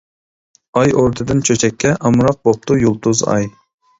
ئاي ئوردىدىن چۆچەككە، ئامراق بوپتۇ يۇلتۇز، ئاي.